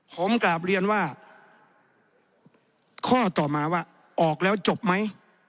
ผมกลับเรียนว่าข้อต่อมาว่าออกแล้วจบไหม